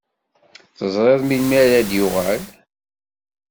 Teẓriḍ melmi ara d-yuɣal?